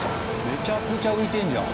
めちゃくちゃ浮いてんじゃん。